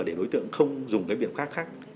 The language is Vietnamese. để đối tượng không dùng cái biện pháp khác